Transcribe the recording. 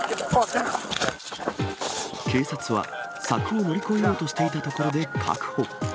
警察は、柵を乗り越えようとしていたところで確保。